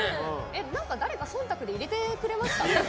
誰か忖度で入れてくれました？